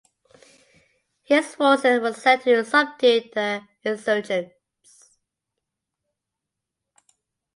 His forces were sent to subdue the insurgents.